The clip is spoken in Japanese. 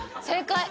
正解。